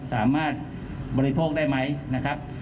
สามารถบริโภคได้ไหมนะครับ